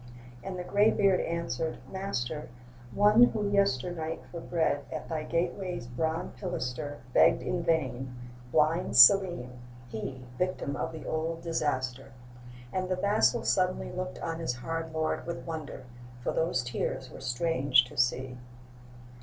And the gray beard answered: 'Master, One who yesternight for bread At thy gateway's bronze pilaster Begged in vain: blind Selim, he, Victim of the old disaster.' And the vassal suddenly Looked on his hard lord with wonder, For those tears were strange to see.